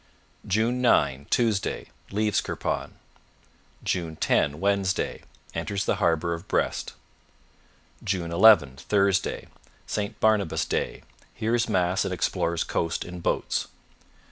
June 9 Tuesday Leaves Kirpon. " 10 Wednesday Enters the harbour of Brest. " 11 Thursday St Barnabas Day. Hears Mass and explores coast in boats.